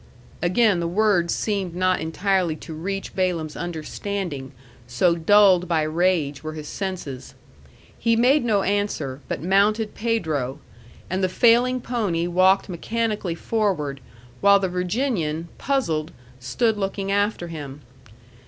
Again the words seemed not entirely to reach Balaam's understanding, so dulled by rage were his senses. He made no answer, but mounted Pedro; and the failing pony walked mechanically forward, while the Virginian, puzzled, stood looking after him.